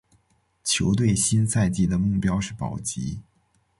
球队新赛季的目标是保级。